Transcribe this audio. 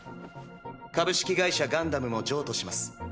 「株式会社ガンダム」も譲渡します。